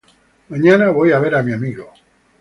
Mañana voy a ver a mi amigo.